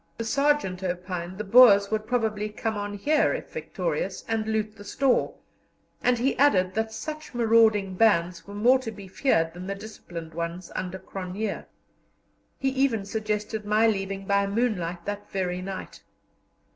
The sergeant opined the Boers would probably come on here if victorious, and loot the store, and he added that such marauding bands were more to be feared than the disciplined ones under Cronje. He even suggested my leaving by moonlight that very night.